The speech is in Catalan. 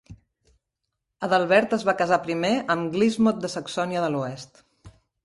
Adalbert es va casar primer amb Glismod de Saxònia de l'Oest.